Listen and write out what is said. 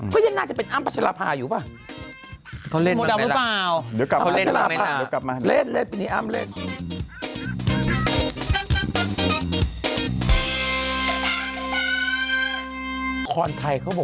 ก็ยังน่าจะเป็นอำประชารภาคอยู่ปว่า